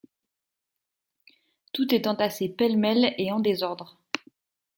Tout est entassé pêle-mêle et en désordre.